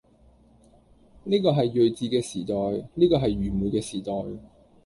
呢個係睿智嘅時代，呢個係愚昧嘅時代，